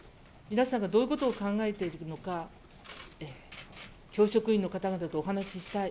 皆さんがどういうことを考えているのか教職員の方々とお話ししたい。